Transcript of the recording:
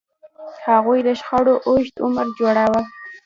هغوی د شخړو اوږد عمر جوړاوه.